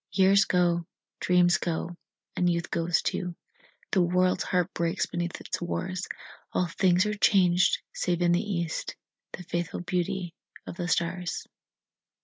Years go, dreams go, and youth goes too, The world's heart breaks beneath its wars, All things are changed, save in the east The faithful beauty of the stars.